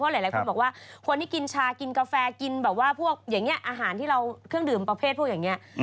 เพราะหลายคนบอกว่าคนที่กินชากินกาแฟกินอาหารที่เราเครื่องดื่มประเภทพวกอย่างนี้